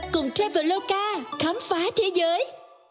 cùng traveloka khám phá thế giới